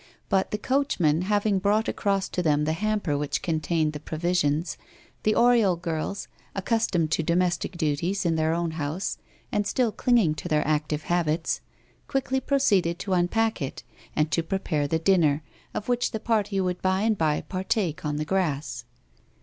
But, the coachman having brought across to them the hamper which contained the provisions, the Oriol girls, accustomed to domestic duties in their own house, and still clinging to their active habits, quickly proceeded to unpack it, and to prepare the dinner, of which the party would by and by partake on the grass.